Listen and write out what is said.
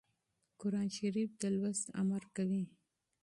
قرآن د لوست امر کوي.